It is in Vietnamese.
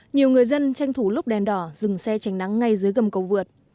nhiều người dân tranh thủ lúc đèn đỏ dừng xe tránh nắng ngay dưới gầm cầu vượt